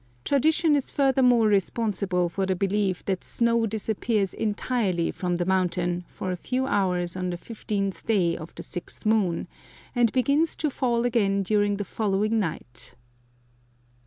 Tradition is furthermore responsible for the belief that snow disappears entirely from the mountain for a few hours on the fifteenth day of the sixth moon, and begins to fall again during the following night.